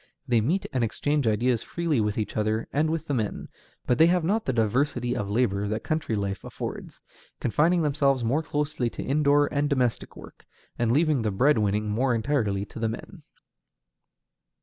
They meet and exchange ideas freely with each other and with the men, but they have not the diversity of labor that country life affords, confining themselves more closely to indoor and domestic work, and leaving the bread winning more entirely to the men.